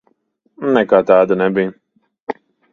Nekā tāda nebija.